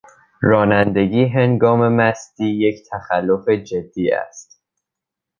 رانندگی هنگام مستی یک تخلف جدی است.